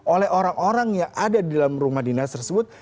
oleh orang orang yang ada di dalam rumah dinas tersebut